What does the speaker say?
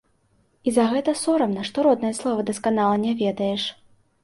І за гэта сорамна, што роднае слова дасканала не ведаеш.